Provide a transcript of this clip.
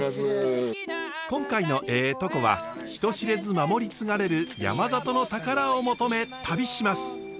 今回の「えぇトコ」は人知れず守り継がれる山里の宝を求め旅します。